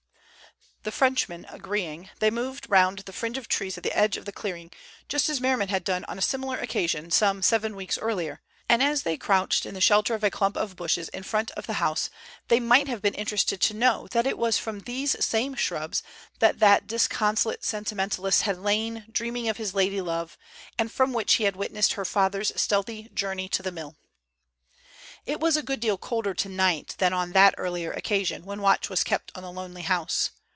The Frenchman agreeing, they moved round the fringe of trees at the edge of the clearing, just as Merriman had done on a similar occasion some seven weeks earlier, and as they crouched in the shelter of a clump of bushes in front of the house, they might have been interested to know that it was from these same shrubs that that disconsolate sentimentalist had lain dreaming of his lady love, and from which he had witnessed her father's stealthy journey to the mill. It was a good deal colder tonight than on that earlier occasion when watch was kept on the lonely house.